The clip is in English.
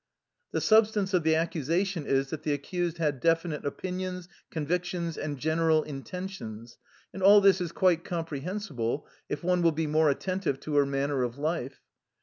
... The substance of the accusation is that the accused had definite opinions, convictions, and general intentions, and all this is quite comprehensible, if one will be more attentive to her manner of life.